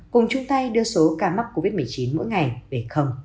cùng chung tay đưa số ca mắc covid một mươi chín mỗi ngày về không